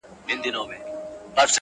څومره چي تیاره وي څراغ ښه ډېره رڼا کوي,